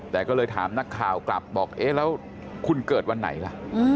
แต่ก็เลยถามนักข่าวกลับบอกเอ๊ะแล้วคุณเกิดวันไหนล่ะ